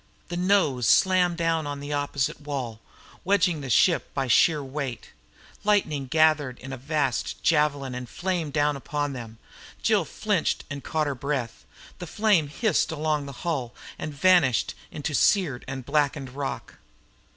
The nose slammed down on the opposite wall, wedging the ship by sheer weight. Lightning gathered in a vast javelin and flamed down upon them. Jill flinched and caught her breath. The flame hissed along the hull and vanished into seared and blackened rock.